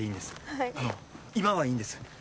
はいあの今はいいんです